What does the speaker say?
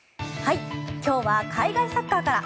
今日は海外サッカーから。